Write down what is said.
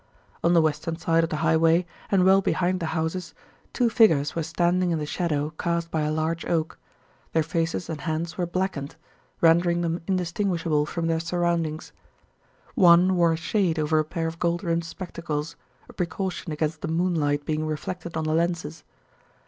On the western side of the highway, and well behind the houses, two figures were standing in the shadow cast by a large oak. Their faces and hands were blackened, rendering them indistinguishable from their surroundings. One wore a shade over a pair of gold rimmed spectacles, a precaution against the moonlight being reflected on the lenses.